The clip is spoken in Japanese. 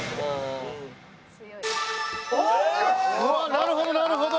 なるほどなるほど。